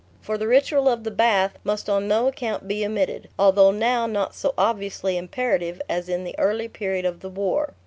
For the ritual of the bath must on no account be omitted although now not so obviously imperative as in the early period of the war.